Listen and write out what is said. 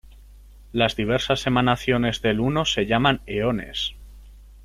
Las diversas emanaciones de el Uno se llaman eones.